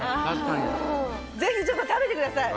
是非ちょっと食べてください。